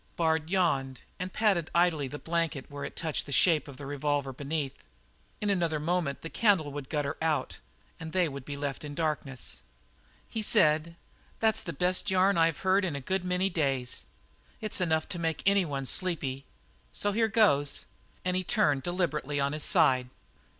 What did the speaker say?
Bard yawned, and patted idly the blanket where it touched on the shape of the revolver beneath. In another moment that candle would gutter out and they would be left in darkness. He said: "That's the best yarn I've heard in a good many days; it's enough to make any one sleepy so here goes." And he turned deliberately on his side.